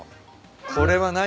これは何？